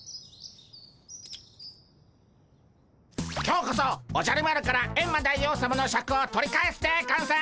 今日こそおじゃる丸からエンマ大王さまのシャクを取り返すでゴンス！